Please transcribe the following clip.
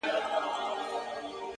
ستا د خولې سلام مي د زړه ور مات كړ،